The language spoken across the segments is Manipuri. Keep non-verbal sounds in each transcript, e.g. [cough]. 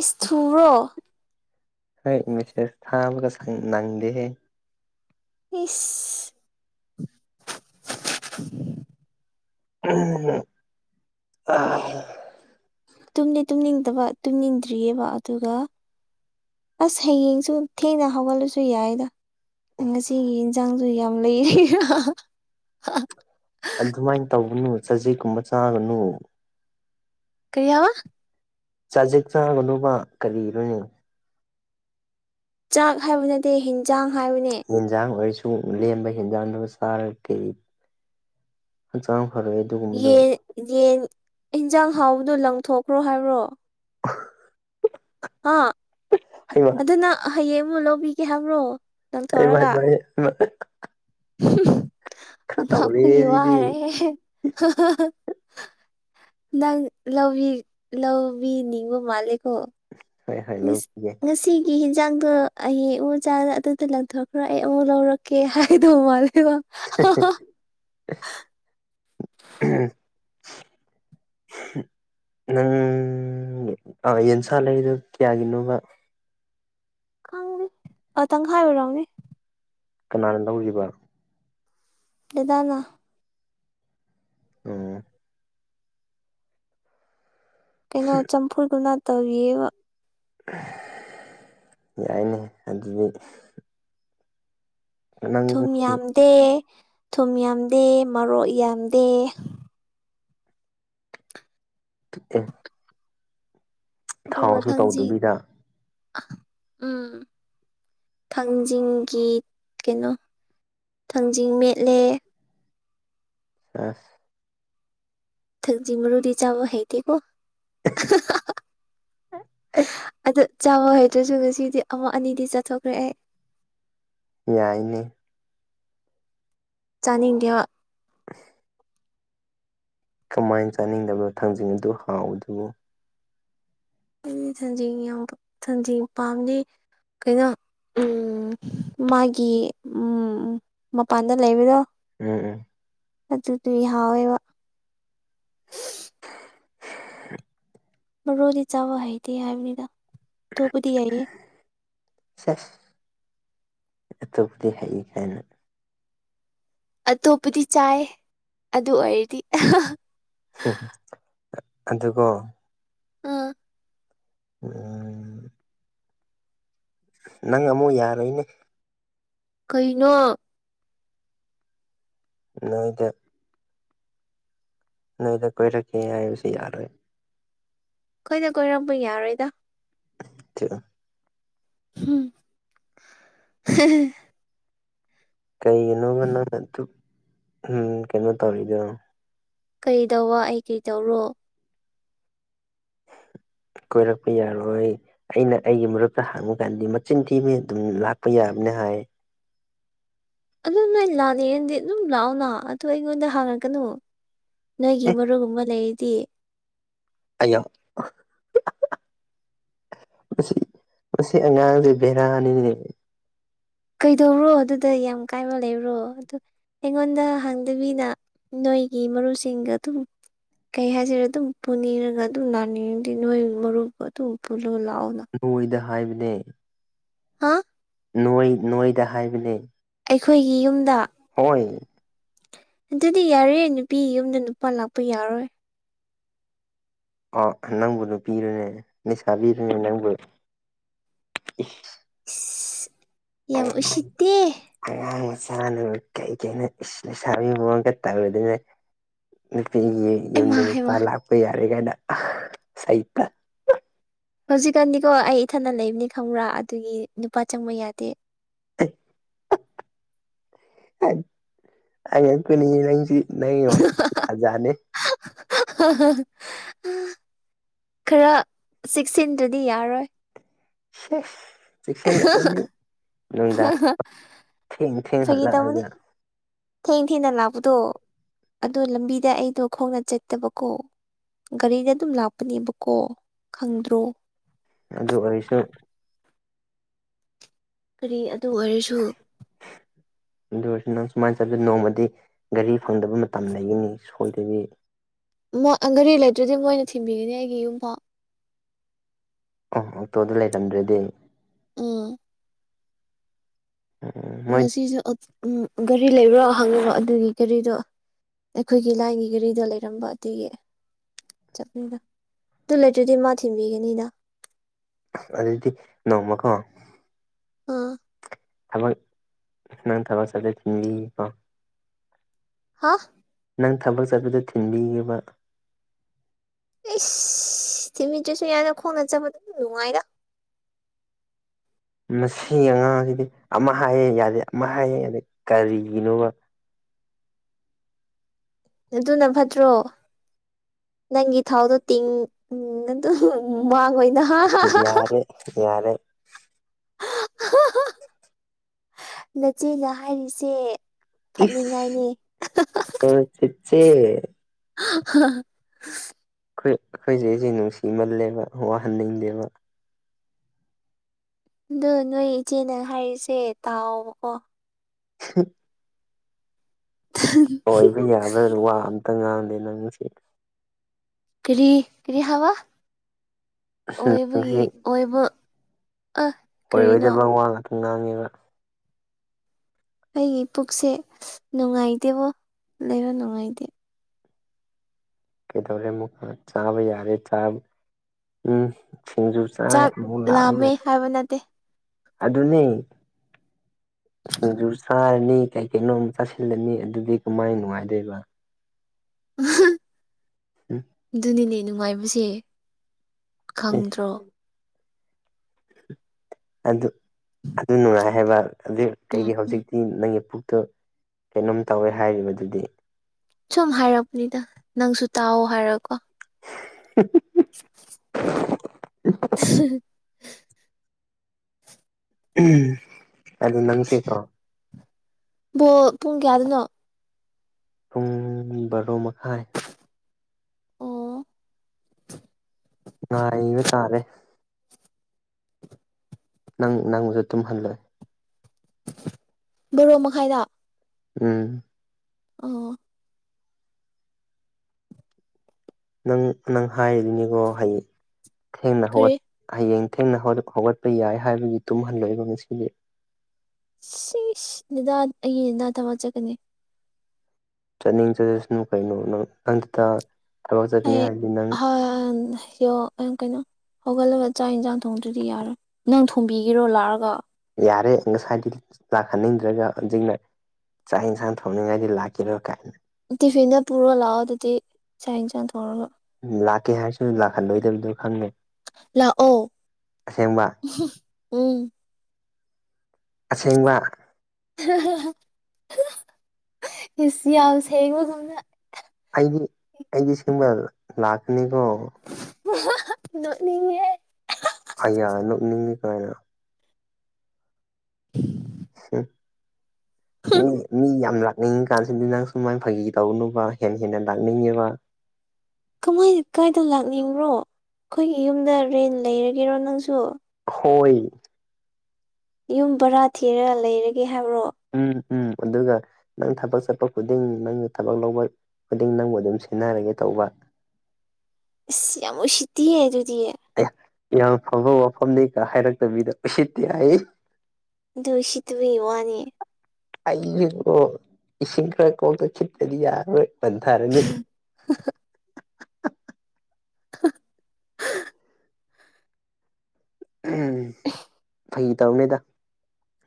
ꯏꯁꯊꯨꯔꯣ ꯍꯣꯏ ꯃꯦꯁꯦꯁ ꯊꯥꯕꯒ ꯅꯪꯗꯦꯍꯦ꯫ ꯏꯤꯁ ꯎꯝ ꯑ ꯇꯨꯝꯗꯤ ꯇꯨꯝꯅꯤꯡꯗꯕ ꯇꯨꯝꯅꯤꯡꯗ꯭ꯔꯤꯑꯦꯕ ꯑꯗꯨꯒ꯫ ꯑꯁ ꯍꯌꯦꯡꯁꯨ ꯊꯦꯡꯅ ꯍꯧꯒꯠꯂꯁꯨ ꯌꯥꯏꯗ ꯉꯁꯤꯒꯤ ꯌꯦꯟꯁꯥꯡꯁꯨ ꯌꯥꯝ ꯂꯩꯔꯤꯕ꯫ ꯑꯗꯨꯃꯥꯏꯅ ꯇꯧꯒꯅꯨ ꯆꯖꯦꯛꯀꯨꯝꯕ ꯆꯥꯒꯅꯨ [unintelligible] ꯆꯖꯤꯛ ꯆꯥꯒꯅꯣꯕ ꯀꯔꯤꯅꯣꯏꯅꯦ꯫ ꯆꯥꯛ ꯍꯥꯏꯕ ꯅꯠꯇꯦ ꯍꯤꯟꯖꯥꯡ ꯍꯥꯏꯕꯅꯦ꯫ ꯌꯦꯟꯖꯥꯡ ꯑꯣꯏꯔꯁꯨ ꯂꯦꯝꯕ ꯍꯦꯟꯖꯥꯡ ꯁꯥꯔ ꯀꯩ [unintelligible] ꯐꯔꯦ ꯌꯦꯟ ꯌꯦꯟ ꯑꯦꯟꯖꯥꯡ ꯍꯥꯎꯕꯗꯣ ꯂꯪꯊꯣꯛꯈ꯭ꯔꯣ ꯍꯥꯏꯕ꯭ꯔꯣ꯫ ꯑꯥ ꯍꯩꯃꯥ ꯑꯗꯨꯅ ꯍꯌꯦꯡ ꯑꯃꯨꯛ ꯂꯧꯕꯤꯒꯦ ꯍꯥꯏꯕ꯭ꯔꯣ ꯂꯪꯊꯣꯛꯔꯒ ꯑꯦꯕꯥꯏꯕꯥꯏ ꯄ ꯇꯧꯔꯦꯍꯦ ꯌ ꯁꯤꯗꯤ ꯋꯥꯔꯦꯦ ꯅꯪ ꯂꯥꯎꯕꯤ ꯂꯥꯎꯕꯤ ꯅꯤꯡꯕꯨꯨ ꯃꯥꯜꯂꯦꯀꯣ꯫ ꯍꯣꯏ ꯍꯣꯏ ꯉꯁꯤ ꯂꯧꯕꯤꯒꯦ ꯉꯁꯤ꯫ ꯀꯤ ꯍꯤꯟꯖꯥꯡꯗꯣ ꯑꯩ ꯎ ꯆꯥꯗ ꯑꯗꯨꯗ ꯂꯪꯊꯣꯛꯈ꯭ꯔꯣ ꯑꯩ ꯑꯃꯨꯛ ꯂꯧꯔꯛꯀꯦ ꯍꯥꯏꯗꯧꯕ ꯃꯥꯜꯂꯦꯕ꯫ ꯎꯝ ꯅꯪ ꯎꯥ ꯌꯦꯟꯁꯥ ꯂꯩꯗ ꯀꯌꯥꯒꯤꯅꯣꯕ ꯈꯪꯦ ꯑ ꯇꯪ ꯍꯥꯏꯔꯨꯔꯣꯅꯤ ꯀꯅꯥꯅ ꯂꯧꯔꯤꯕ ꯏꯗꯅ ꯑꯣ꯫ ꯀꯩꯅꯣ ꯆꯝꯐꯨꯗꯨꯅ ꯇꯧꯏꯕ ꯌꯥꯏꯅꯦ ꯑꯗꯨꯗꯤ꯫ ꯅꯪ ꯊꯨꯝ ꯌꯥꯝꯗꯦ ꯊꯨꯝ ꯌꯥꯝꯗꯦ ꯃꯔꯣꯛ ꯌꯥꯝꯗꯦ ꯇꯦ ꯑꯗꯨꯒ ꯊꯪꯁꯤ ꯇꯧꯗꯕꯤꯗ ꯎꯝ꯫ ꯊꯥꯡꯖꯤꯡꯒꯤ ꯀꯩꯅꯣ ꯊꯥꯡꯖꯤꯡ ꯃꯦꯠꯂꯦ ꯑꯁ ꯊꯥꯡꯖꯤꯃꯔꯨꯗꯤ ꯆꯥꯕ ꯍꯥꯇꯦꯀꯣ꯫ [unintelligible] ꯑꯗꯨ ꯆꯥꯕ ꯍꯥꯇꯔꯁꯨ ꯉꯁꯤꯗꯤ ꯑꯃꯥ ꯑꯅꯤꯗꯤ ꯆꯠꯊꯣꯛꯈ꯭ꯔꯦ ꯑꯩ꯫ ꯌꯥꯏꯅꯦ꯫ ꯆꯥꯟ ꯏꯗꯤꯌꯥ ꯑ ꯀꯃꯥꯏꯅ ꯆꯥꯅꯤꯡꯗꯕ ꯊꯥꯡꯖꯤꯡ ꯑꯗꯨ ꯍꯥꯎꯗꯨ ꯑꯗꯤ ꯊꯥꯡꯖꯤꯡ ꯌꯥꯎꯕ ꯊꯥꯡꯖꯤꯡ ꯄꯥꯝꯗꯦ ꯀꯩꯅꯣ꯫ ꯎꯝ ꯃꯥꯒꯤ ꯎꯝ ꯃꯄꯥꯟꯗ ꯂꯩꯕꯗꯣ ꯎꯝ ꯎꯝ꯫ ꯑꯗꯨꯗꯨ ꯍꯥꯎꯋꯦꯕ [inaudible] ꯃꯥꯔꯨꯗꯤ ꯆꯥꯕ ꯍꯩꯇꯦ ꯍꯥꯏꯕꯅꯤꯗ ꯑꯇꯣꯞꯄꯗꯤ ꯍꯥꯏꯌꯦ꯫ ꯑꯇꯣꯞꯄꯗꯤ ꯍꯩ ꯀꯥꯏꯅ ꯑꯇꯣꯞꯄꯗꯤ ꯆꯥꯏ ꯑꯗꯨ ꯑꯣꯏꯔꯗꯤ ꯑꯗꯨꯒꯣ ꯎꯝ ꯑꯣ ꯅꯪ ꯑꯃꯨꯛ ꯌꯥꯔꯣꯏꯅꯦ ꯀꯩꯅꯣ꯫ ꯅꯣꯏꯗ ꯅꯣꯏꯗ ꯀꯣꯏꯔꯛꯀꯦ ꯍꯥꯏꯁꯨ ꯌꯥꯔꯣꯏ ꯑꯩꯈꯣꯏꯅ ꯀꯣꯏꯔꯄ ꯌꯥꯔꯣꯏꯗ [unintelligible] [unintelligible] ꯀꯩꯒꯤꯅꯣꯒ ꯅꯪ ꯑꯗꯨ ꯀꯩꯅꯣ ꯇꯧꯔꯤꯗꯣ꯫ ꯀꯩꯗ ꯑꯩ ꯀꯩꯗꯧꯔꯣ ꯀꯣꯏꯔꯛꯄ ꯌꯥꯔꯣꯏ꯫ ꯑꯩꯅ ꯑꯩꯒꯤ ꯃꯔꯨꯞꯛꯇ ꯍꯥꯡꯕ ꯀꯥꯟꯗꯤ ꯃꯆꯤꯟ ꯊꯤ ꯃꯤ ꯑꯗꯨꯝ ꯂꯥꯛꯄ ꯌꯥꯕꯅ ꯍꯥꯏ ꯑꯗꯨ ꯅꯣꯏ ꯂꯥꯀꯅꯤꯡꯉꯥꯗꯤ ꯑꯗꯨꯝ ꯂꯥꯛꯑꯣꯗꯅ ꯑꯗꯨꯗ ꯑꯩꯉꯣꯟꯗ ꯍꯥꯡꯉꯛꯀꯅꯨ꯫ ꯅꯣꯏꯒꯤ ꯑꯦ ꯃꯔꯨꯒꯨꯝꯕ ꯂꯩꯔꯗꯤ꯫ ꯑꯩꯌꯥ꯫ ꯃꯁꯤ ꯃꯁꯤ ꯑꯉꯥꯡꯁꯤ ꯕꯦꯔꯥꯅꯤꯅꯦ꯫ ꯀꯩꯗꯧꯔꯣ ꯑꯗꯨꯗ ꯌꯥꯝ ꯀꯥꯏꯕ ꯂꯩꯕ꯭ꯔꯣ ꯑꯗꯨ ꯑꯩꯉꯣꯟꯗ ꯍꯥꯡꯗꯕꯤꯗ ꯅꯣꯏꯒꯤ ꯃꯔꯨꯞꯁꯤꯡꯒ ꯑꯗꯨꯝ ꯀꯩ ꯍꯥꯏꯁꯤꯔ ꯑꯗꯨꯝ ꯄꯨꯅꯤꯡꯔꯒ ꯑꯗꯨꯝ ꯂꯥꯛꯅꯤꯡꯔꯗꯤ ꯅꯣꯏ ꯃꯔꯨꯞꯄꯨ ꯑꯗꯨꯝ ꯄꯨꯜꯂ ꯂꯥꯛꯑꯣ ꯅꯣꯏꯗ ꯍꯥꯏꯕꯅꯦ꯫ ꯍꯥ꯫ ꯅꯣꯏ ꯅꯣꯏꯗ ꯍꯥꯏꯕꯅꯦ ꯑꯩꯈꯣꯏꯒꯤ ꯌꯨꯝꯗ꯫ ꯍꯣꯏ ꯑꯗꯨꯗꯤ ꯌꯥꯌꯦ ꯅꯨꯄꯤ ꯌꯨꯝꯗ ꯅꯨꯄꯥ ꯂꯥꯛꯄ ꯌꯥꯔꯣꯏ ꯑꯥ ꯅꯪꯕꯨ ꯅꯨꯄꯤꯔꯅꯦ ꯂꯩꯁꯥꯕꯤꯔꯅꯦ ꯅꯪꯕꯨ꯫ [unintelligible] ꯌꯥꯝ ꯑꯣ꯫ ꯎꯁꯤꯠꯇꯦ ꯑꯉꯥꯡ ꯃꯆꯥꯥꯅ ꯀꯩ ꯀꯩꯅ ꯏꯁ ꯂꯩꯁꯥꯕꯤ ꯃꯑꯣꯡꯒ ꯇꯧꯔꯗꯅ ꯅꯨꯄꯤꯒꯤ ꯍꯩꯃꯥ ꯌꯨꯝꯗ ꯅꯨꯄꯥ ꯍꯩꯃꯥ ꯂꯥꯛꯄ ꯌꯥꯔꯣꯏ ꯀꯥꯏꯅ ꯁꯩꯇ꯫ ꯍꯧꯖꯤꯛꯀꯥꯟꯗꯤꯀꯣ ꯑꯩ ꯏꯊꯥꯟꯗ ꯂꯩꯕꯅꯤ ꯈꯪꯕ꯭ꯔꯥ ꯑꯗꯨꯒꯤ ꯅꯨꯄꯥ ꯆꯪꯕ ꯌꯥꯗꯦ꯫ [unintelligible] ꯑꯉꯛꯄꯅꯤ ꯅꯪꯁꯤ ꯅꯪꯒꯤ ꯋꯥꯈꯜꯁꯤ ꯖꯥꯠ ꯖꯥꯠꯅꯤ꯫ [unintelligible] ꯈꯔ ꯆꯦꯛꯁꯤꯟꯗꯔꯗꯤ ꯌꯥꯔꯣꯏ [unintelligible] ꯆꯦꯛꯁꯤꯜꯂꯛꯑꯅꯤ ꯅꯨꯡꯗꯥꯡ ꯊꯦꯡ ꯊꯦꯡ ꯐꯥꯒꯤ ꯍꯜꯂꯛ ꯇꯧꯕꯅꯤ ꯑꯒ ꯊꯦꯡ ꯊꯦꯡꯅ ꯂꯥꯛꯄꯗꯣ ꯑꯗꯣ ꯂꯝꯕꯤꯗ ꯑꯩꯗꯣ ꯈꯣꯡꯅ ꯆꯠꯇꯕꯀꯣ ꯒꯥꯔꯤꯗ ꯑꯗꯨꯝ ꯂꯥꯛꯄꯅꯦꯕꯀꯣ ꯈꯪꯗ꯭ꯔꯣ ꯑꯗꯨ ꯑꯣꯏꯔꯁꯨ ꯀꯔꯤ ꯑꯗꯨ ꯑꯣꯏꯔꯁꯨ [inaudible] ꯑꯗꯨ ꯑꯣꯏꯔꯁꯨ ꯅꯪ ꯁꯨꯃꯥꯏꯅ ꯆꯠꯂ ꯅꯣꯡꯃꯗꯤ ꯒꯥꯔꯤ ꯐꯪꯗꯕ ꯃꯇꯝ ꯂꯩꯒꯅꯤ ꯁꯣꯏꯒꯅꯤ ꯃꯣꯏ ꯒꯥꯔꯤ ꯂꯩꯇ꯭ꯔꯗꯤ ꯃꯣꯏꯅ ꯊꯤꯟꯕꯤꯒꯅꯤ ꯑꯩꯒꯤ ꯌꯨꯝꯐꯥꯎ ꯑ ꯑꯣꯛꯇꯣꯗ ꯂꯩꯔꯝꯗ꯭ꯔꯗꯤ ꯎꯝ ꯎꯝ ꯃꯣꯏ ꯉꯁꯤꯁꯨ ꯒꯥꯔꯤ ꯂꯩꯕ꯭ꯔꯣ ꯍꯪꯉꯨꯔꯣ ꯑꯗꯨꯒꯤ ꯒꯥꯔꯤꯗꯣ ꯑꯩꯈꯣꯏꯒꯤ ꯂꯥꯏꯅ ꯘꯔꯤꯗ ꯂꯩꯔꯝꯕ ꯑꯗꯨꯒꯤ ꯆꯅꯤꯡꯗ ꯑꯗꯨ ꯂꯩꯇ꯭ꯔꯗꯤ ꯃꯥ ꯊꯤꯟꯕꯤꯒꯅꯤꯗ ꯑꯗꯨꯗꯤ ꯅꯣꯡꯃꯀꯣ ꯑꯥ ꯊꯕꯛ ꯅꯪ ꯊꯕꯛ ꯆꯠꯊ ꯊꯤꯟꯕꯤ ꯀꯣ ꯍꯥ ꯅꯪ ꯊꯕꯛ ꯆꯠꯄꯗ ꯊꯤꯟꯕꯤꯒꯦꯕ ꯑꯦꯁ ꯊꯤꯟꯕꯤ ꯗꯔꯁꯨ ꯌꯥꯔꯦꯗ ꯈꯣꯡꯅꯥ ꯆꯠꯄ ꯅꯨꯡꯉꯥꯏꯗ ꯃꯁꯤ ꯑꯉꯥꯡꯁꯤꯗꯤ ꯑꯃ ꯍꯥꯏꯌꯦ ꯌꯥꯗꯦ ꯑꯃ ꯍꯥꯏꯌꯦ ꯌꯥꯗꯦ ꯀꯔꯤꯒꯤꯅꯣꯕ ꯑꯗꯨꯅ ꯐꯠꯇ꯭ꯔꯣ ꯅꯪꯒꯤ ꯊꯥꯎꯗꯣ ꯇꯤꯡ ꯑꯗꯨꯝ ꯎꯝ ꯃꯥꯡꯉꯣꯏꯗ ꯍꯥ ꯍꯥ ꯌꯥꯔꯦ ꯌꯥꯔꯦ ꯅꯆꯦꯅ ꯍꯥꯏꯔꯤꯁꯦ ꯐꯠꯅꯤꯡꯉꯥꯏꯅꯤ ꯑꯣ ꯆꯤꯠꯆꯦ [unintelligible] ꯑꯩꯈꯣꯏ ꯑꯩꯈꯣꯆꯦꯖꯦ ꯅꯨꯡꯁꯤꯃꯜꯂꯦꯕ ꯋꯥꯍꯟꯅꯤꯡꯗꯦꯕ ꯑꯗꯨ ꯅꯣꯏ ꯏꯆꯦ ꯅꯪ ꯍꯥꯏꯔꯤꯁꯦ ꯇꯥꯎꯕꯀꯣ ꯍ ꯑꯣꯏꯕ ꯌꯥꯕ꯭ꯔꯥ ꯋꯥ ꯑꯝꯇ ꯉꯥꯡꯗꯦ ꯅꯪꯁꯤ ꯀꯔꯤ ꯀꯔꯤ ꯍꯥꯕ ꯑꯣꯏꯕꯒꯤ ꯅꯪꯁꯤ ꯑꯣꯏꯕ ꯑꯍ ꯑꯣꯏꯔꯣꯏꯗꯕ ꯋꯥ ꯉꯥꯛꯇ ꯉꯥꯡꯉꯤꯕ ꯑꯩꯒꯤ ꯄꯨꯛꯁꯦ ꯅꯨꯡꯉꯥꯏꯇꯦꯕꯣ ꯂꯩꯕ ꯅꯨꯡꯉꯥꯏꯇꯦ ꯀꯩꯗꯧꯔꯦ ꯑꯃꯨꯛ ꯆꯥꯕ ꯌꯥꯔꯦ ꯆꯥꯕ ꯎꯝ ꯁꯤꯡꯖꯨ ꯆꯥꯏ ꯆꯥꯛ ꯑꯃꯨꯛ ꯂꯥꯝꯃꯦ ꯂꯥꯛꯑꯒ ꯍꯥꯏꯕ ꯅꯠꯇꯦ ꯑꯗꯨꯅꯦ ꯁꯤꯡꯖꯨ ꯁꯥꯥꯔꯅꯤ ꯀꯩ ꯀꯩꯅꯣꯝ ꯆꯥꯁꯤꯜꯂꯅꯤ ꯑꯗꯨꯗꯤ ꯀꯃꯥꯏꯅ ꯅꯨꯡꯉꯥꯏꯗꯣꯏꯕ ꯎꯝ ꯑꯗꯨꯅꯤꯅꯦ ꯅꯨꯡꯉꯥꯏꯕꯁꯦ ꯑꯦ ꯈꯪꯗ꯭ꯔꯣ ꯑꯗꯨ ꯑꯗꯨ ꯅꯨꯡꯉꯥꯏ ꯍꯥꯏꯕ ꯑꯗꯨ ꯎꯝ ꯀꯩꯒꯤ ꯎꯝ ꯍꯧꯖꯤꯛꯇꯤ ꯅꯪꯒꯤ ꯄꯨꯛꯇꯣ ꯀꯩꯅꯣꯝ ꯇꯧꯋꯦ ꯍꯥꯏꯔꯤꯕꯗꯨꯗꯤ ꯁꯨꯝ ꯍꯥꯏꯔꯛꯄꯅꯤꯗ ꯅꯪꯁꯨ ꯇꯥꯎ ꯍꯥꯏꯔꯣ ꯀꯣ [unintelligible] [unintelligible] [unintelligible] ꯎꯝ ꯑꯗꯣ ꯅꯪꯁꯦꯀꯣ ꯕꯣꯜ ꯄꯨꯡ ꯀꯌꯥꯗꯅꯣ ꯄꯨꯡ ꯕꯥꯔꯣ ꯃꯈꯥꯏ ꯑꯣ ꯉꯥꯏꯕ ꯇꯥꯔꯦ ꯅꯪ ꯅꯪꯕꯨꯁꯨ ꯇꯨꯝꯍꯜꯂꯣꯏ ꯕꯣꯔꯣꯛ ꯃꯈꯥꯏꯗ ꯎꯝ ꯑꯣ ꯅꯪ ꯅꯪ ꯍꯥꯏꯔꯤꯅꯤꯀꯣ ꯍꯌꯦ ꯊꯦꯡꯅ ꯀꯔꯤ ꯍꯧꯒꯠ ꯍꯌꯦꯡ ꯊꯦꯡꯅ ꯍꯧꯒꯠꯄ ꯌꯥꯏ ꯍꯥꯏꯕꯒꯤ ꯇꯨꯝꯍꯜꯂꯣꯏꯏꯕ ꯉꯁꯤꯗꯤ ꯁꯤ ꯅꯤꯗꯥ ꯑꯩꯒꯤ ꯅꯤꯗꯥ ꯊꯋꯥ ꯆꯠꯀꯅꯤ ꯆꯠꯅꯤꯡ ꯆꯠꯂꯁꯅꯨ ꯀꯩꯅꯣ ꯅꯪ ꯍꯟꯗꯨꯗ ꯑꯩ ꯍ ꯍꯣ ꯀꯩꯅꯣ ꯍꯧꯒꯠꯂꯒ ꯆꯥꯛ ꯌꯦꯟꯁꯥꯡ ꯊꯣꯡꯗ꯭ꯔꯗꯤ ꯌꯥꯔꯣꯏ ꯅꯪ ꯊꯣꯡꯕꯤꯒꯤꯔꯣ ꯂꯥꯛꯑꯒ ꯌꯥꯔꯦ ꯉꯁꯥꯏꯗꯤ ꯂꯥꯛꯍꯟꯅꯤꯡꯗ꯭ꯔꯒꯅ ꯆꯥꯛ ꯌꯦꯟꯁꯥꯡ ꯊꯣꯡꯅꯤꯡꯉꯥꯏꯗꯤ ꯂꯥꯛꯈꯤꯔꯣ ꯀꯥꯏꯅ ꯇꯤꯐꯤꯟꯅ ꯄꯨꯔꯣ ꯂꯥꯛꯑꯣ ꯑꯗꯨꯗꯤ ꯆ ꯆ ꯊꯧꯔꯒ ꯂꯥꯛꯀꯦ ꯍꯥꯏꯁꯤ ꯂꯥꯛꯍꯟꯂꯣꯏꯗꯕꯗꯣ ꯈꯪꯉꯦ ꯂꯥꯛꯑꯣ ꯑꯁꯦꯡꯕ ꯎꯝ ꯑꯁꯦꯡꯕ ꯌꯥꯝ ꯁꯦꯡꯕꯒꯨꯝꯅ ꯑꯩꯗꯤ ꯑꯩꯗꯤ ꯁꯤꯒꯨꯝꯕ ꯂꯥꯛꯀꯅꯤꯀꯣ ꯅ ꯑꯌꯥ ꯅꯣꯛꯅꯤꯡꯉꯤ ꯀꯃꯥꯏꯅ [unintelligible] ꯎ ꯃꯤ ꯃꯤ ꯌꯥꯝ ꯂ ꯅꯥꯛꯅꯤꯡꯉ ꯀꯥꯟꯁꯤꯗꯗꯤ ꯅꯪ ꯁꯨꯃꯥꯏꯅ ꯐꯥꯒꯤ ꯇꯧꯅꯨꯕ ꯍꯦ ꯍꯦꯟꯅ ꯂꯥꯛꯅꯤꯡꯉꯦꯕ ꯀꯃꯥꯏ ꯀꯥꯏꯗ ꯂꯥꯛꯅꯤꯡꯕ꯭ꯔꯣ ꯑꯩꯈꯣꯏꯒꯤ ꯌꯨꯝꯗ ꯔꯦꯟ ꯂꯩꯔꯒꯦꯔꯣ ꯅꯪꯁꯨ ꯍꯣꯏ ꯌꯨꯝ ꯕꯔꯥ ꯊꯤꯔꯒ ꯂꯩꯔꯒꯦ ꯍꯥꯏꯕ꯭ꯔꯣ ꯎꯝ ꯎꯝ ꯑꯗꯨꯒ ꯅꯪ ꯊꯕꯛ ꯆꯠꯄ ꯈꯨꯗꯤꯡ ꯅꯪꯅ ꯊꯕꯛ ꯂꯧꯕ ꯈꯨꯗꯤꯡ ꯅꯪꯕꯨ ꯑꯗꯨꯝ ꯁꯤꯦꯟꯅꯔꯒꯦ ꯇꯧꯕ ꯑꯁ ꯌꯥꯝ ꯎꯁꯤꯠꯇꯤꯌꯦ ꯑꯗꯨꯗꯤ ꯌꯥꯝ ꯐꯕ ꯋꯥꯐꯝꯅꯤꯒ ꯍꯥꯏꯔꯛꯇꯕꯤꯗ ꯎꯁꯤꯠꯇꯦ ꯍꯥꯏ ꯑꯗꯨꯗꯨ ꯁꯤ ꯇꯕꯤ ꯋꯥꯅꯤ ꯑꯩꯁꯤꯕꯣ ꯏꯁꯤꯡ ꯈꯔ ꯀꯣꯛꯇ ꯈꯤꯠꯇꯗꯤ ꯌꯥꯔꯔꯣꯏ ꯄꯟꯊꯥꯔꯅꯤ [unintelligible] ꯎꯝ ꯎꯝ ꯐꯩ ꯇꯧꯔꯅꯦꯗ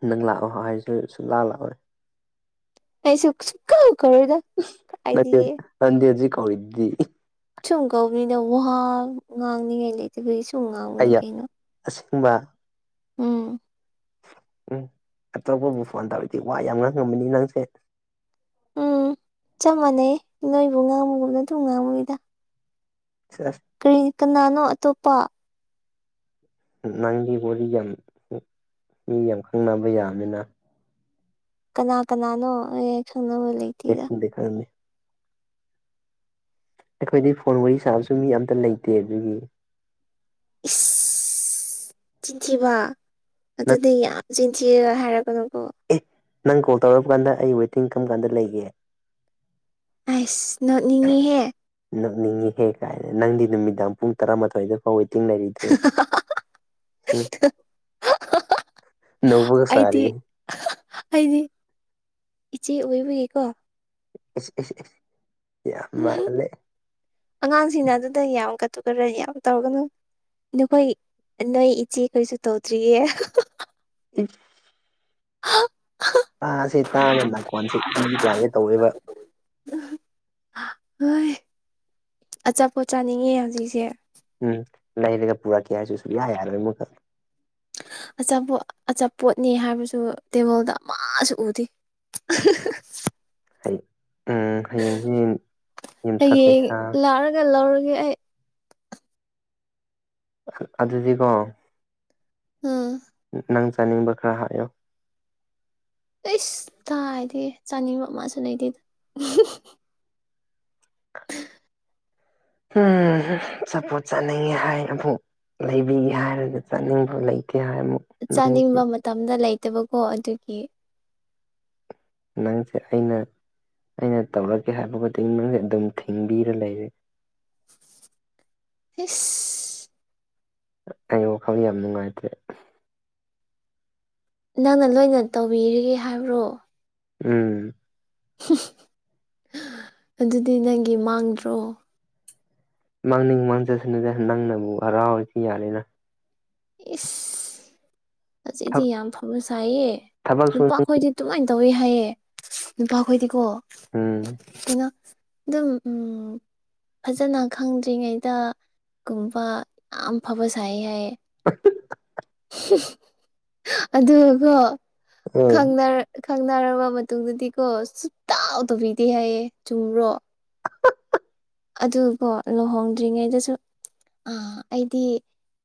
ꯅꯪ ꯂꯥꯛꯑꯣ ꯍꯥꯌꯔꯁꯨ ꯁꯨꯛꯂꯛ ꯂꯥꯀꯣꯏ ꯑꯩꯁꯨꯛ ꯁꯨ ꯀ ꯀꯧꯔꯗ ꯀꯥꯏꯗꯤꯌꯦ ꯅꯗꯤ ꯍꯧꯖꯤꯛ ꯀꯧꯗꯤ ꯁꯨꯝ ꯀꯧꯅꯤꯅ ꯋꯥꯋꯍ ꯉꯥꯡꯅꯤꯉꯥꯏ ꯂꯩꯇꯈ ꯁꯨꯝ ꯉꯥꯡꯅꯤ ꯑꯩ ꯀꯩꯅꯣ ꯑꯁꯦꯡꯕ ꯎꯝ ꯎꯝ ꯑꯇꯣꯞꯄꯕꯨ ꯐꯣꯟ ꯇꯥꯔꯗꯤ ꯋꯥ ꯌꯥꯝ ꯉꯥꯡꯉꯝꯃꯅꯤ ꯅꯪꯁꯦ ꯎꯝ ꯆꯞ ꯃꯥꯟꯅꯩ ꯅꯣꯏꯕꯨ ꯉꯥꯡꯃꯨꯒꯨꯝ ꯅꯠꯇꯕꯨ ꯉꯥꯡꯃꯨꯅꯤꯗ ꯑꯦ ꯀꯔꯤ ꯀꯅꯥꯅꯣ ꯑꯇꯣꯞꯄ ꯅꯪꯒꯤ ꯋꯥꯔꯤꯣ ꯌꯥꯝ ꯃꯤ ꯌꯥꯝ ꯈꯪꯅꯕ ꯌꯥꯕꯃꯤꯅ ꯀꯅꯥ ꯀꯅꯥꯅꯣ ꯑꯩ ꯈꯪꯅꯕ ꯂꯩꯦ ꯗꯤ ꯈꯅꯤ ꯑꯩꯈꯣꯏꯗꯤ ꯐꯣꯟ ꯋꯥꯔꯤ ꯁꯥꯕꯁꯨ ꯃꯤ ꯑꯇ ꯂꯩꯇꯦ ꯑꯗꯨꯒꯤ ꯏꯁ ꯆꯤꯟꯊꯤꯕ ꯅꯪ ꯑꯗꯨꯅ ꯌꯥꯝ ꯆꯤꯟꯊꯤ ꯍꯥꯏꯔꯒꯅꯨꯀꯣ ꯑꯦ ꯅꯪ ꯀꯣꯜ ꯇꯧꯔꯔꯕ ꯀꯥꯟꯗ ꯑꯩ ꯋꯦꯇꯤꯡ ꯀꯔꯝ ꯀꯥꯟꯗ ꯂꯩꯒꯦ ꯑꯁ ꯅꯣꯠꯅꯤꯡꯉꯤꯍꯦ ꯅꯅꯤꯡꯉꯤꯍꯦꯛ ꯀꯥꯏꯦ ꯅꯪꯗꯤ ꯅꯨꯃꯤꯗꯥꯡ ꯄꯨꯡ ꯇꯔꯥꯃꯥꯊꯣꯏꯗꯣ ꯍꯣꯏꯋꯦ ꯇꯤꯡꯅꯔꯤꯗꯣ ꯎ ꯅꯧꯒ ꯁꯥ ꯑꯩꯗꯤ ꯑꯩꯗꯤ ꯏꯆꯦ ꯑꯣꯏꯕꯒꯤꯀꯣ ꯌꯥꯝ ꯃꯥꯂꯦ ꯑꯉꯥꯡꯁꯤꯡꯅ ꯑꯗꯨꯗ ꯌꯥꯝ ꯀ ꯇꯨ ꯀ ꯔꯅꯤ ꯌꯥꯕ ꯇꯧꯔꯒꯅꯨ ꯅꯈꯣꯏ ꯅꯣꯏ ꯏꯆꯦ ꯀꯔꯤꯁꯨ ꯇꯧꯗ꯭ꯔꯤꯌꯦ ꯑꯦ ꯍ ꯇꯥꯁꯦ ꯇꯥꯅ ꯅꯥꯀꯣꯟꯁꯦ ꯏ ꯂꯥꯛꯒꯦ ꯇꯧꯋꯦꯕ ꯍꯣꯏ ꯑꯆꯥꯄꯣꯠ ꯆꯥꯅꯤꯡꯉꯦ ꯍꯧꯖꯤꯛꯁꯦ ꯎꯝ ꯅꯅꯦꯒ ꯄꯨꯥ ꯀꯌꯥꯁꯨ ꯌꯥ ꯌꯥꯔ ꯑꯆꯥꯄꯣꯠ ꯑꯆꯥꯄꯣꯠꯅꯤ ꯍꯥꯏꯕꯁꯨ ꯇꯦꯕꯜꯗ ꯃꯥꯁꯨ ꯎꯗꯦ [inaudible] ꯍꯌꯦꯡꯁꯦ ꯌꯨꯝꯁꯥ ꯀꯩꯁꯥ ꯒ ꯂꯧꯔꯒꯦ ꯑꯩ ꯑꯗꯨꯗꯤꯀꯣ ꯎꯝ ꯅꯪ ꯆꯥꯅꯤꯡꯕ ꯈꯔ ꯍꯥꯏꯌꯣ ꯑꯩꯁ ꯇꯥꯗꯤ ꯆꯥꯅꯤꯡꯕ ꯑꯃꯁꯨ ꯂꯩꯗꯤꯦ ꯎꯝ ꯆꯄꯣꯠ ꯆꯥꯅꯤꯡꯉꯦ ꯍꯥꯏꯅ ꯑꯃꯨ ꯂꯩꯕꯤꯒꯦ ꯍꯥꯏꯔꯒ ꯆꯠꯅꯤꯡꯕ ꯂꯩꯇꯦ ꯍꯥꯏꯔ ꯑꯃꯨꯛ ꯅꯪ ꯆꯥꯅꯤꯡꯕ ꯃꯇꯝꯗ ꯂꯩꯇꯕꯀꯣ ꯑꯗꯨꯒꯤ ꯅꯪꯁꯦ ꯑꯩꯅ ꯑꯩꯅ ꯇꯧꯔꯛꯀꯦ ꯍꯥꯏꯕ ꯃꯇꯨꯡ ꯅꯪꯁꯦ ꯑꯗꯨꯝ ꯊꯤꯡꯕꯤꯔ ꯂꯩꯔꯦ ꯍ ꯑꯩ ꯋꯥꯈꯜ ꯌꯥꯝ ꯅꯨꯡꯉꯥꯏꯇꯦ ꯅꯪꯅ ꯂꯣꯏꯅ ꯇꯧꯕꯤꯔꯤꯒꯦ ꯍꯥꯏꯕ꯭ꯔꯣ ꯎꯝ ꯑꯗꯨꯗꯤ ꯅꯪꯒꯤ ꯃꯥꯡꯗ꯭ꯔꯣ ꯃꯥꯡꯅꯤꯡ ꯃꯥꯡꯖꯁꯤꯅꯗ ꯅꯪꯅꯕꯨ ꯍꯔꯥꯎꯔꯗꯤ ꯌꯥꯜꯂꯤꯦꯅ ꯏꯁ ꯑꯁꯤꯗꯤ ꯌꯥꯝ ꯐꯕ ꯁꯥꯏꯌꯦ ꯊꯕꯛꯁꯨ ꯅꯨꯄꯥꯈꯣꯏꯗꯤ ꯑꯗꯨꯃꯥꯏꯅ ꯇꯧꯋꯤ ꯍꯥꯏꯌꯦ ꯅꯨꯄꯥꯈꯣꯏꯗꯤꯀꯣ ꯎꯝ ꯏꯩꯅ ꯑꯗꯨꯝ ꯎꯝ ꯐꯖꯅ ꯈꯪꯗ꯭ꯔꯤꯉꯩꯗ ꯒꯨꯝꯕ ꯌꯥꯝ ꯐꯕ ꯁꯥꯏ ꯍꯥꯏꯌꯦ ꯑꯗꯨꯒꯣ ꯎꯝ ꯈꯪꯅꯔ ꯈꯪꯅꯔꯕ ꯃꯇꯨꯡꯗꯗꯤꯀꯣ ꯁꯨꯇꯥꯎꯗꯕꯤꯗꯦ ꯍꯥꯏꯌꯦꯦ ꯆꯨꯔꯣ ꯑꯗꯨꯕꯨꯣ ꯂꯨꯍꯣꯡꯗ꯭ꯔꯤꯉꯩꯗꯁꯨ ꯑ ꯑꯩꯗꯤ